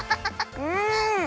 うん！